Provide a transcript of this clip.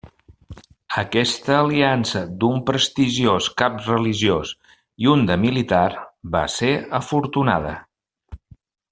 Aquesta aliança d'un prestigiós cap religiós i un de militar va ser afortunada.